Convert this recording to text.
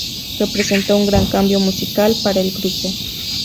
Representó un gran cambio musical para el grupo.